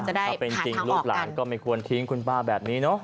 จะได้ผ่านทางออกกันถ้าเป็นจริงลูกหลานก็ไม่ควรทิ้งคุณป้าแบบนี้เนอะ